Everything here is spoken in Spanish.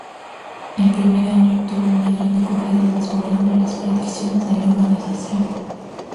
El primer año obtuvo una gran acogida desbordando las predicciones de la organización.